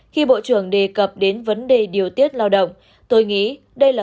khi bộ trưởng đề cập đến vấn đề điều tiết lao động tôi nghĩ đây là